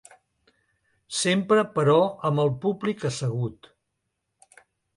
Sempre, però, amb el públic assegut.